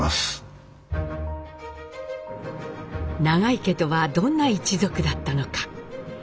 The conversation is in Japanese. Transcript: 永井家とはどんな一族だったのか？